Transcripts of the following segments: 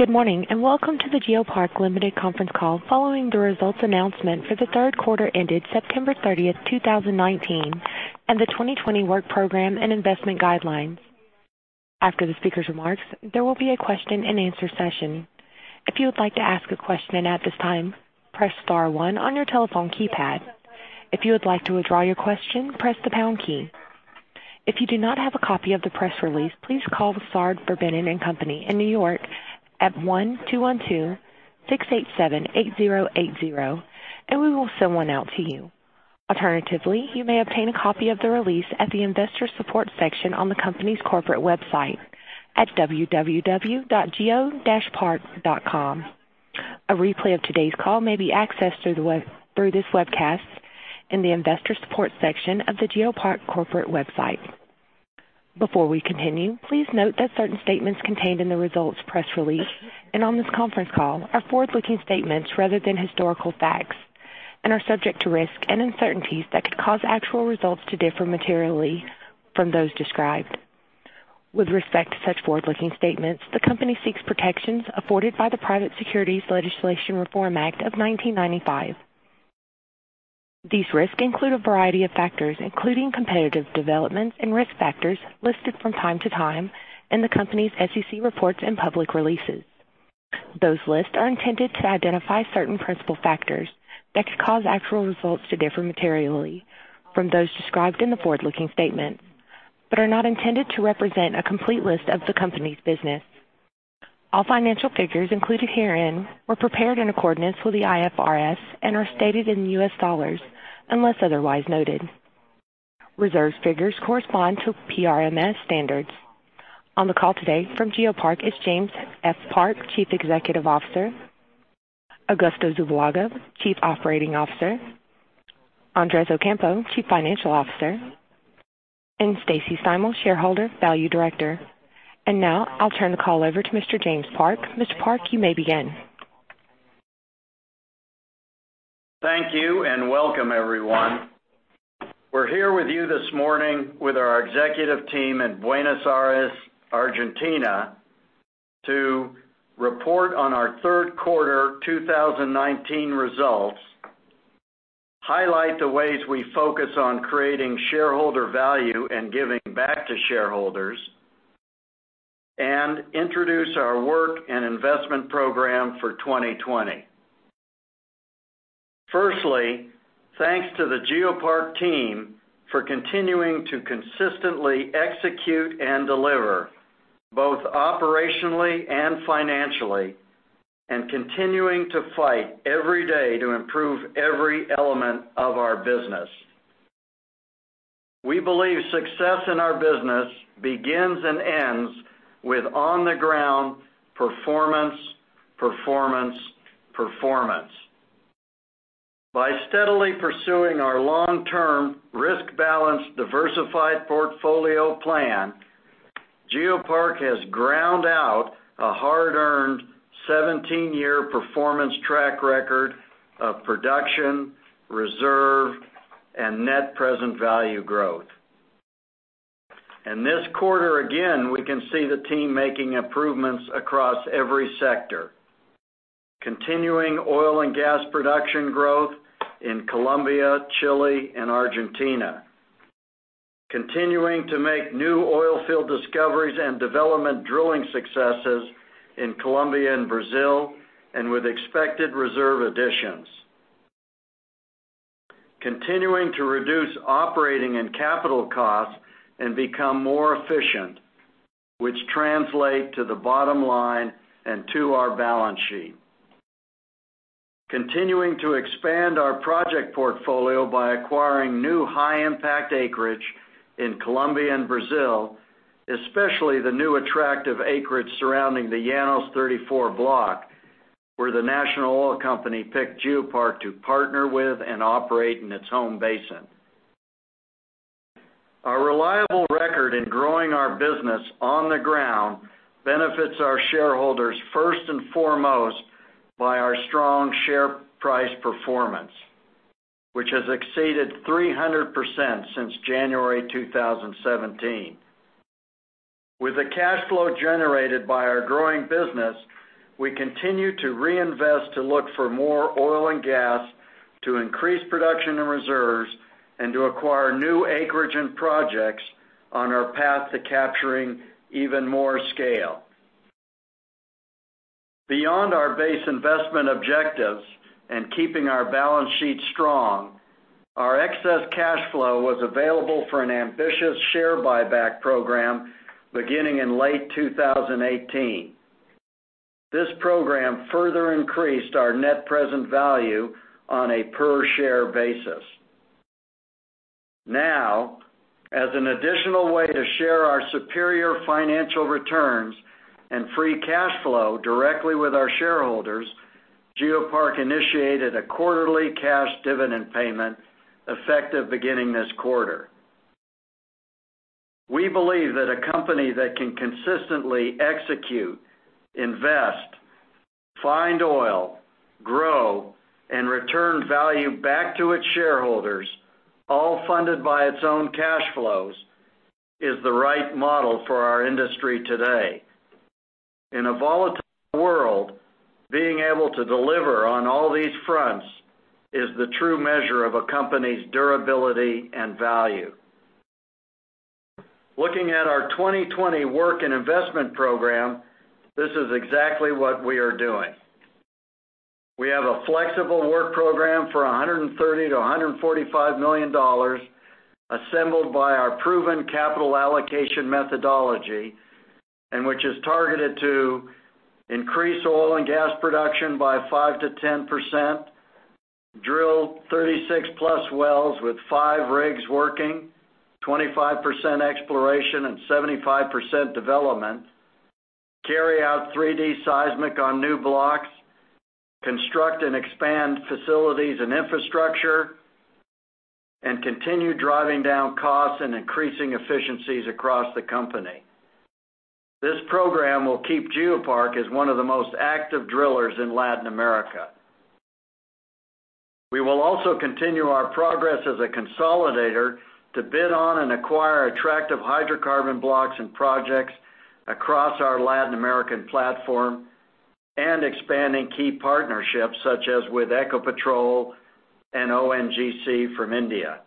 Good morning. Welcome to the GeoPark Limited conference call following the results announcement for the third quarter ended September 30th, 2019, and the 2020 work program and investment guidelines. After the speaker's remarks, there will be a question and answer session. If you would like to ask a question at this time, press star one on your telephone keypad. If you would like to withdraw your question, press the pound key. If you do not have a copy of the press release, please call Sard Verbinnen & Co in New York at 1-212-687-8080, and we will send one out to you. Alternatively, you may obtain a copy of the release at the investor support section on the company's corporate website at www.geopark.com. A replay of today's call may be accessed through this webcast in the investor support section of the GeoPark corporate website. Before we continue, please note that certain statements contained in the results press release and on this conference call are forward-looking statements rather than historical facts and are subject to risks and uncertainties that could cause actual results to differ materially from those described. With respect to such forward-looking statements, the company seeks protections afforded by the Private Securities Litigation Reform Act of 1995. These risks include a variety of factors, including competitive developments and risk factors listed from time to time in the company's SEC reports and public releases. Those lists are intended to identify certain principal factors that could cause actual results to differ materially from those described in the forward-looking statement but are not intended to represent a complete list of the company's business. All financial figures included herein were prepared in accordance with the IFRS and are stated in US dollars unless otherwise noted. Reserve figures correspond to PRMS standards. On the call today from GeoPark is James F. Park, Chief Executive Officer, Augusto Zubillaga, Chief Operating Officer, Andres Ocampo, Chief Financial Officer, and Stacy Steimel, Shareholder Value Director. Now I'll turn the call over to Mr. James Park. Mr. Park, you may begin. Thank you, and welcome, everyone. We're here with you this morning with our executive team in Buenos Aires, Argentina, to report on our third quarter 2019 results, highlight the ways we focus on creating shareholder value and giving back to shareholders, and introduce our work and investment program for 2020. Firstly, thanks to the GeoPark team for continuing to consistently execute and deliver, both operationally and financially, and continuing to fight every day to improve every element of our business. We believe success in our business begins and ends with on-the-ground performance. By steadily pursuing our long-term risk-balanced, diversified portfolio plan, GeoPark has ground out a hard-earned 17-year performance track record of production, reserve, and net present value growth. In this quarter again, we can see the team making improvements across every sector, continuing oil and gas production growth in Colombia, Chile, and Argentina. Continuing to make new oil field discoveries and development drilling successes in Colombia and Brazil, and with expected reserve additions. Continuing to reduce operating and capital costs and become more efficient, which translate to the bottom line and to our balance sheet. Continuing to expand our project portfolio by acquiring new high-impact acreage in Colombia and Brazil, especially the new attractive acreage surrounding the Llanos 34 block, where the national oil company picked GeoPark to partner with and operate in its home basin. Our reliable record in growing our business on the ground benefits our shareholders first and foremost by our strong share price performance, which has exceeded 300% since January 2017. With the cash flow generated by our growing business, we continue to reinvest to look for more oil and gas to increase production and reserves and to acquire new acreage and projects on our path to capturing even more scale. Beyond our base investment objectives and keeping our balance sheet strong, our excess cash flow was available for an ambitious share buyback program beginning in late 2018. This program further increased our net present value on a per share basis. As an additional way to share our superior financial returns and free cash flow directly with our shareholders, GeoPark initiated a quarterly cash dividend payment effective beginning this quarter. We believe that a company that can consistently execute, invest, find oil, grow, and return value back to its shareholders, all funded by its own cash flows, is the right model for our industry today. In a volatile world, being able to deliver on all these fronts is the true measure of a company's durability and value. Looking at our 2020 work and investment program, this is exactly what we are doing. We have a flexible work program for $130 million-$145 million assembled by our proven capital allocation methodology, and which is targeted to increase oil and gas production by 5%-10%, drill 36+ wells with five rigs working, 25% exploration and 75% development, carry out 3D seismic on new blocks, construct and expand facilities and infrastructure, and continue driving down costs and increasing efficiencies across the company. This program will keep GeoPark as one of the most active drillers in Latin America. We will also continue our progress as a consolidator to bid on and acquire attractive hydrocarbon blocks and projects across our Latin American platform, and expanding key partnerships such as with Ecopetrol and ONGC from India.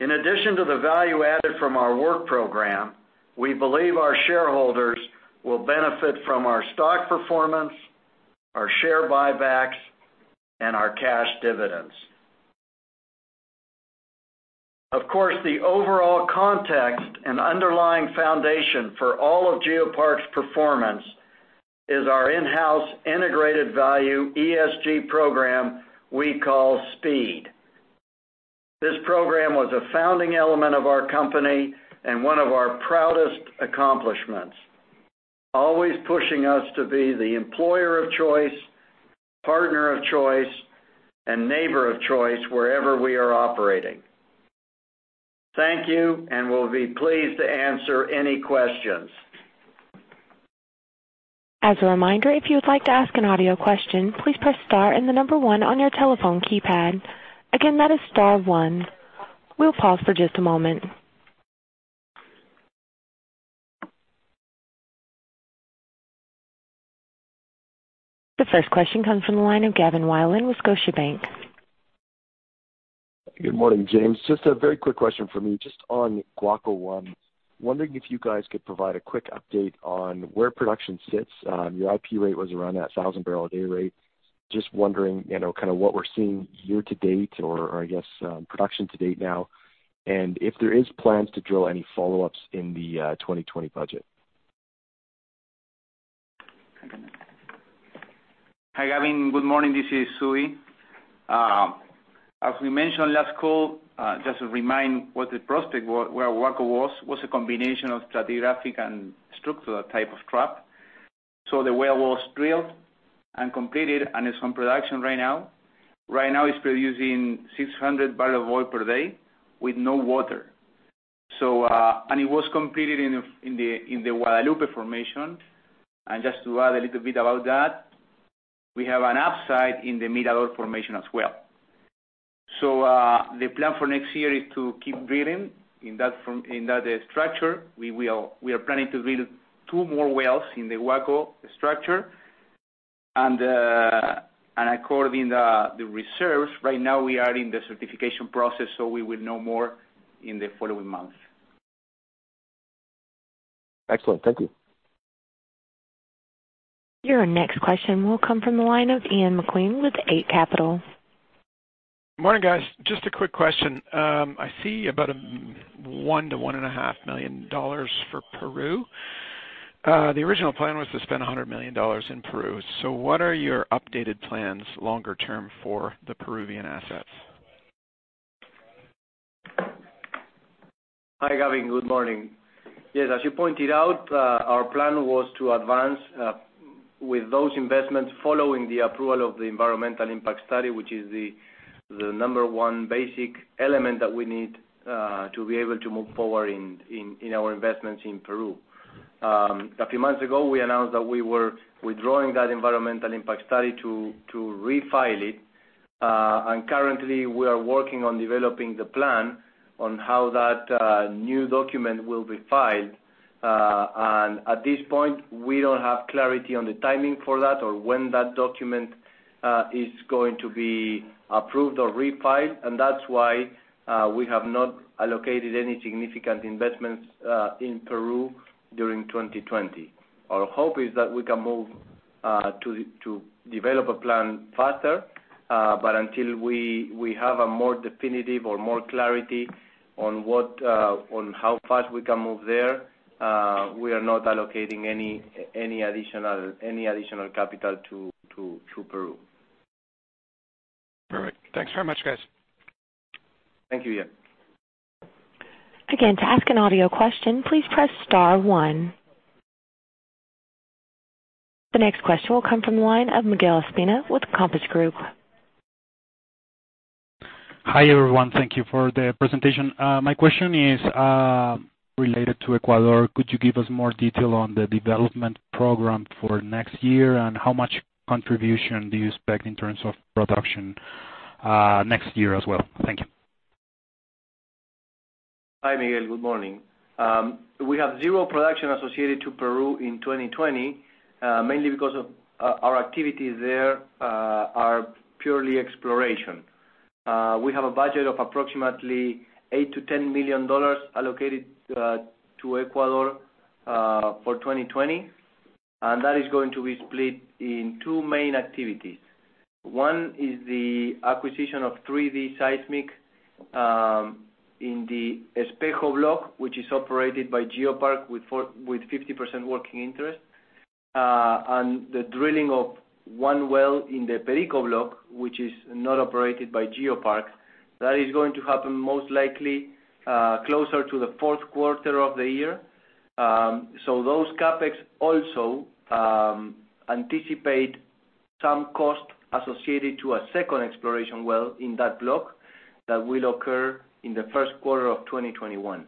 In addition to the value added from our work program, we believe our shareholders will benefit from our stock performance, our share buybacks, and our cash dividends. Of course, the overall context and underlying foundation for all of GeoPark's performance is our in-house integrated value ESG program we call SPEED. This program was a founding element of our company, and one of our proudest accomplishments, always pushing us to be the employer of choice, partner of choice, and neighbor of choice wherever we are operating. Thank you, and we'll be pleased to answer any questions. As a reminder, if you would like to ask an audio question, please press star and the number 1 on your telephone keypad. Again, that is star 1. We'll pause for just a moment. The first question comes from the line of Gavin Wylie with Scotiabank. Good morning, James. Just a very quick question from me, just on Guaco 1. Wondering if you guys could provide a quick update on where production sits. Your IP rate was around that 1,000 barrel a day rate. Just wondering, what we're seeing year to date or, I guess, production to date now. If there is plans to drill any follow-ups in the 2020 budget. Hi, Gavin, good morning. This is [Zui]. We mentioned last call, just to remind what the prospect where Guaco was a combination of stratigraphic and structural type of trap. The well was drilled and completed, and it's on production right now. Right now, it's producing 600 barrel of oil per day with no water. It was completed in the Guadalupe formation. Just to add a little bit about that, we have an upside in the Mirador formation as well. The plan for next year is to keep drilling in that structure. We are planning to drill two more wells in the Guaco structure. According the reserves, right now we are in the certification process, so we will know more in the following months. Excellent. Thank you. Your next question will come from the line of Ian Macqueen with Eight Capital. Morning, guys. Just a quick question. I see about $1 million-$1.5 million for Peru. The original plan was to spend $100 million in Peru. What are your updated plans longer term for the Peruvian assets? Hi, Gavin, good morning. Yes, as you pointed out, our plan was to advance with those investments following the approval of the environmental impact study, which is the number one basic element that we need to be able to move forward in our investments in Peru. A few months ago, we announced that we were withdrawing that environmental impact study to refile it. Currently, we are working on developing the plan on how that new document will be filed. At this point, we don't have clarity on the timing for that or when that document is going to be approved or refiled. That's why we have not allocated any significant investments in Peru during 2020. Our hope is that we can move to develop a plan faster. Until we have a more definitive or more clarity on how fast we can move there, we are not allocating any additional capital to Peru. Perfect. Thanks very much, guys. Thank you, Ian. Again, to ask an audio question, please press star one. The next question will come from the line of Miguel Ospina with Compass Group. Hi, everyone. Thank you for the presentation. My question is related to Ecuador. Could you give us more detail on the development program for next year, and how much contribution do you expect in terms of production next year as well? Thank you. Hi, Miguel. Good morning. We have zero production associated to Peru in 2020, mainly because our activities there are purely exploration. We have a budget of approximately $8 million-$10 million allocated to Ecuador for 2020, and that is going to be split in two main activities. One is the acquisition of 3D seismic in the Espejo block, which is operated by GeoPark with 50% working interest, and the drilling of one well in the Perico block, which is not operated by GeoPark. That is going to happen most likely closer to the fourth quarter of the year. Those CapEx also anticipate some cost associated to a second exploration well in that block that will occur in the first quarter of 2021.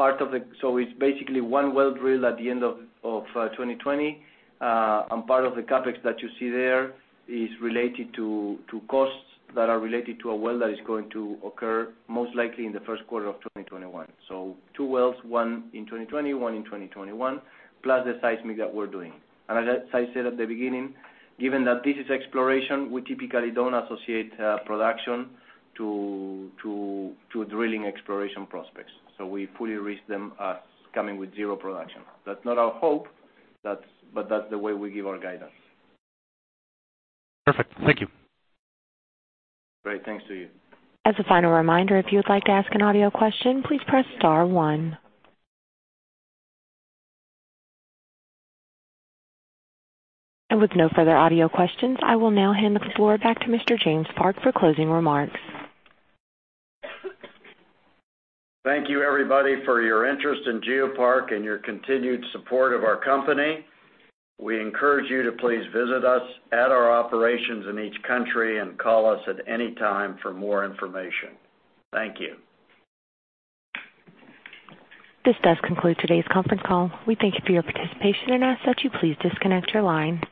It's basically one well drill at the end of 2020. Part of the CapEx that you see there is related to costs that are related to a well that is going to occur most likely in the first quarter of 2021. Two wells, one in 2020, one in 2021, plus the seismic that we're doing. As I said at the beginning, given that this is exploration, we typically don't associate production to drilling exploration prospects. We fully reach them as coming with zero production. That's not our hope, but that's the way we give our guidance. Perfect. Thank you. Great. Thanks to you. As a final reminder, if you would like to ask an audio question, please press star one. With no further audio questions, I will now hand the floor back to Mr. James Park for closing remarks. Thank you everybody for your interest in GeoPark and your continued support of our company. We encourage you to please visit us at our operations in each country and call us at any time for more information. Thank you. This does conclude today's conference call. We thank you for your participation and ask that you please disconnect your line.